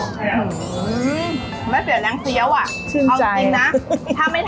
อืมแม่เสียแหลงเซี๊ยวอ่ะชื่นใจเอาจริงจริงนะ